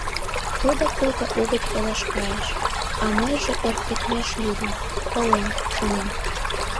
Тудо пуйто угыч ылыж кайыш, а мыйже ӧрт лекмеш лӱдым, колем, шонем.